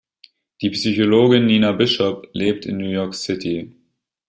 Die Psychologin Nina Bishop lebt in New York City.